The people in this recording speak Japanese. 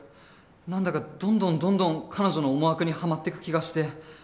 何だかどんどんどんどん彼女の思惑にはまってく気がして。